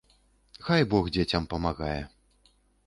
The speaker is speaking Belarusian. Хай бог дзецям памагае!